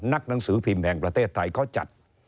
หนังสือพิมพ์แห่งประเทศไทยเขาจัด